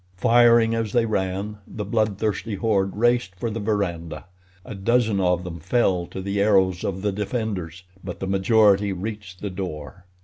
Firing as they ran, the bloodthirsty horde raced for the veranda. A dozen of them fell to the arrows of the defenders; but the majority reached the door.